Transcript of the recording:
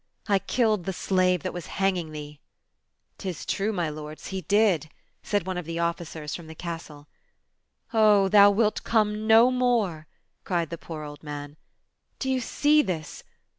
I killed the slave that was hanging thee/' " Tis true, my lords, he did," said one of the officers from the castle. "Oh, thou wilt come no more," cried the poor old man. "Do you see this?